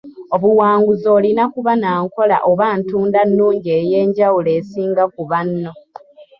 Obuwanguzi olina kuba na nkola oba ntunda nnungi ey'enjawulo esinga ku banno.